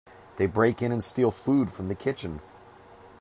They break in and steal food from the kitchen.